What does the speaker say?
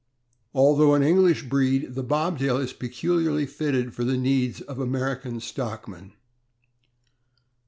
Although an English breed, the Bobtail is peculiarly fitted for the needs of American stockmen.